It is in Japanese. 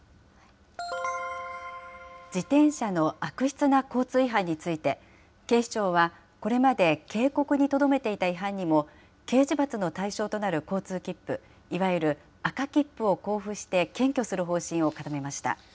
自転車の悪質な交通違反について、警視庁は、これまで警告にとどめていた違反にも、刑事罰の対象となる交通切符、いわゆる赤切符を交付して検挙する方針を固めました。